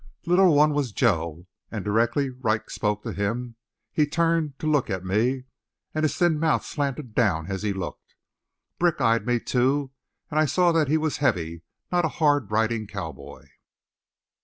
The little one was Joe, and directly Wright spoke to him he turned to look at me, and his thin mouth slanted down as he looked. Brick eyed me, too, and I saw that he was heavy, not a hard riding cowboy.